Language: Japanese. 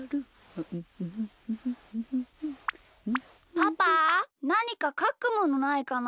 パパなにかかくものないかな？